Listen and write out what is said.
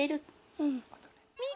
うん。